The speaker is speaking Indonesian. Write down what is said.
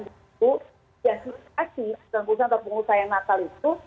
itu jasminasi perusahaan atau pengusaha yang natal itu